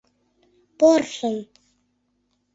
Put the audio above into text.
Порсын!